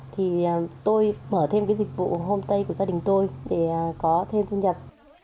thì tôi mở thêm cái dịch vụ hôm tây của gia đình tôi để có thêm thu nhập